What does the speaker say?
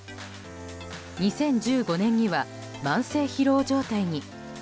２０１５年には慢性疲労状態に。